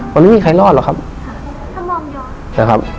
วันนี้มีใครรอดหรอครับ